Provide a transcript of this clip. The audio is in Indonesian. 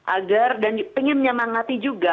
agar dan ingin menyemangati juga